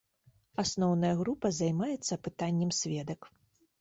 Асноўная група займаецца апытаннем сведак.